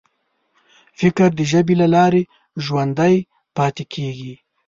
فکر د ژبې له لارې ژوندی پاتې کېږي.